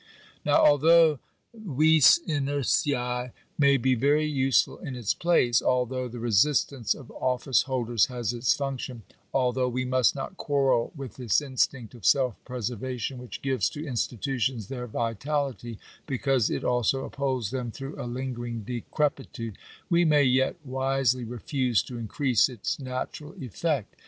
Now, although vis inertia may be very useful in its place — although the resistance of office holders has its function — al though we must not quarrel with this instinct of self preservation which gives to institutions their vitality, because it also upholds them through a lingering decrepitude — we may yet wisely refuse to increase its natural effect.